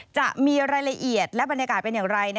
จะมีรายละเอียดและบรรยากาศเป็นอย่างไร